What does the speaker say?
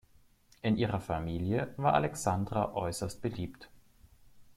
In ihrer Familie war Alexandra äußerst beliebt.